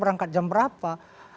berangkat jam berapa